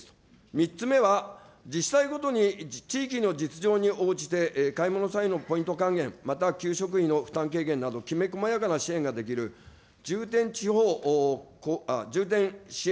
３つ目は、自治体ごとに地域の実情に応じて買い物の際のポイント還元、または給食費の負担軽減など、きめ細かいができる重点支援